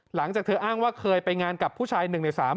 หลังจากเธออ้างว่าเคยไปงานกับผู้ชาย๑ใน๓